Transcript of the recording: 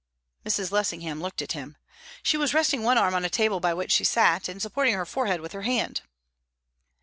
Mrs. Lessingham looked at him. She was resting one arm on a table by which she sat, and supporting her forehead with her hand.